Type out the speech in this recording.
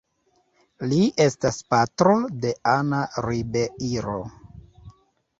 Li estas patro de Ana Ribeiro.